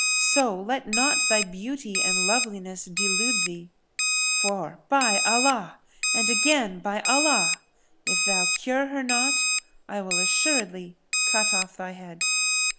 So let not thy beauty and loveliness delude thee: for, by Allah! and again, by Allah! If thou cure her not, I will assuredly cut off thy head."